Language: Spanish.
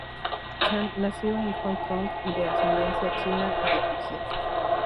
Chan nació en Hong Kong de ascendencia china de Fujian.